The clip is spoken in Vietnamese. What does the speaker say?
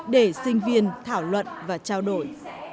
để sinh viên thảo luận và trao đổi